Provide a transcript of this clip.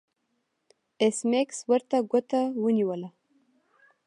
ایس میکس ورته ګوته ونیوله